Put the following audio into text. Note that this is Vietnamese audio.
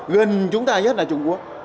gần chúng ta nhất là trung quốc